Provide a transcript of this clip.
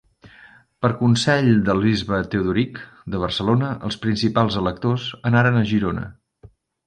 Per consell del bisbe Teodoric de Barcelona, els principals electors anaren a Girona.